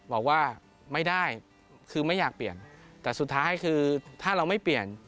บอกว่าไม่ได้คือไม่อยากเปลี่ยนแต่สุดท้ายคือถ้าเราไม่เปลี่ยน